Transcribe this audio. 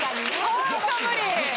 ホント無理！